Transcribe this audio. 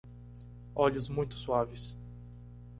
Olhos muito suaves